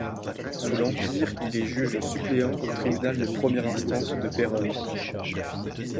Sous l'Empire, il est juge suppléant au tribunal de première instance de Péronne.